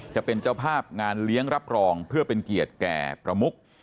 จะเป็นเจ้าภาพงานเลี้ยงรับรองเพื่อเป็นเกียรติแก่ประมุก